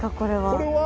これは。